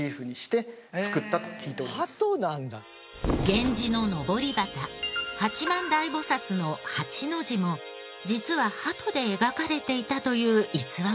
源氏ののぼり旗八幡大菩薩の「八」の字も実は鳩で描かれていたという逸話もあります。